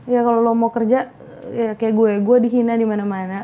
ya kalau lo mau kerja kayak gue gue dihina dimana mana